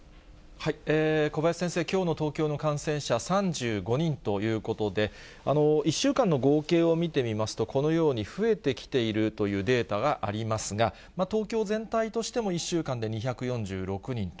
小林先生、きょうの東京の感染者、３５人ということで、１週間の合計を見てみますと、このように増えてきているというデータがありますが、東京全体としても１週間で２４６人と。